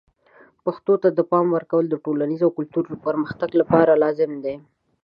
پښتو ته د پام ورکول د ټولنیز او کلتوري پرمختګ لپاره لازم دي.